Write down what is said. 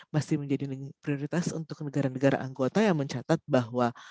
masih menjadi prioritas untuk negara negara anggota yang mencatat bahwa